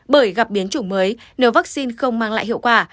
bởi gặp biến chủng mới nếu vaccine không mang lại hiệu quả